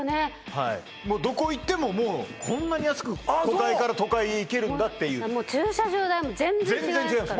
はいもうどこ行ってももうこんなに安く都会から都会へ行けるんだっていうもう駐車場代も全然違いますから全然違います